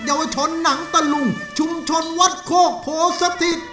เยาวชนหนังตะลุงชุมชนวัดโคกโพสถิต